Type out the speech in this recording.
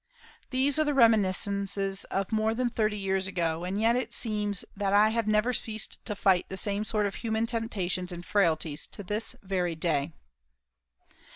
These are reminiscences of more than thirty years ago, and yet it seems that I have never ceased to fight the same sort of human temptations and frailties to this very day.